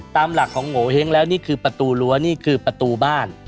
ตามหลักของโงเห้งแล้วนี่คือประตูรั้วนี่คือประตูบ้าน